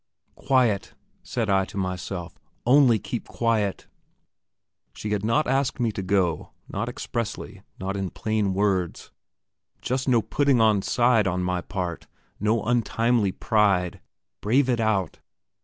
"Quiet," said I to myself; "only keep quiet!" She had not asked me to go not expressly, not in plain words. Just no putting on side on my part no untimely pride! Brave it out!...